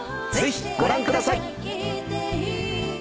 ぜひご覧ください。